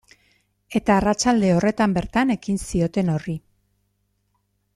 Eta arratsalde horretan bertan ekin zioten horri.